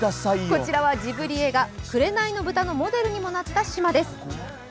こちらはジブリ映画「紅の豚」のモデルにもなった島です。